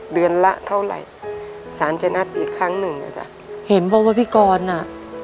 เดือนละเท่าไหร่สารจะนัดอีกครั้งหนึ่งอ่ะจ้ะเห็นบอกว่าพี่กรอ่ะ